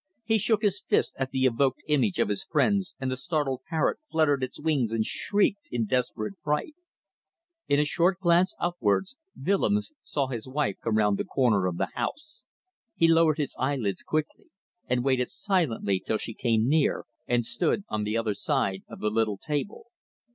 He shook his fist at the evoked image of his friends, and the startled parrot fluttered its wings and shrieked in desperate fright. In a short glance upwards Willems saw his wife come round the corner of the house. He lowered his eyelids quickly, and waited silently till she came near and stood on the other side of the little table.